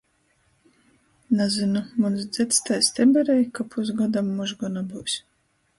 Nazynu, muns dzeds tai steberej, ka pusgodam mož gona byus...